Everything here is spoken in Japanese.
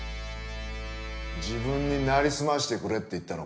自分になりすましてくれって言ったのか。